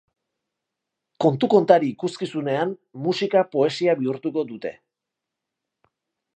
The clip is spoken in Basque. Kontu kontari ikuskizunean, musika poesia bihurtuko dute.